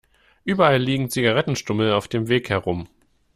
Überall liegen Zigarettenstummel auf dem Weg herum.